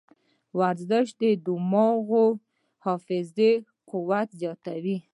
ورزش د دماغو د حافظې قوت زیاتوي.